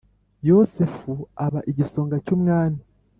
yosefu aba igisonga cy’umwami